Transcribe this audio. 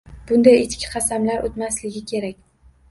Bunday echki qasamlar oʻtmasligi kerak.